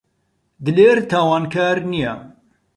دلێر تاوانکار نییە.